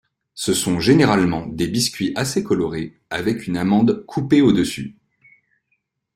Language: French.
Ce sont généralement des biscuits assez colorés avec une amande coupée au-dessus.